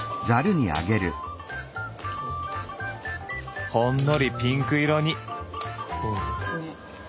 ほんのりピンク色に。